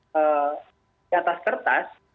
ke atas kertas